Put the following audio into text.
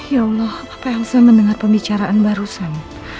ya allah apa elsa mendengar pembicaraan barusan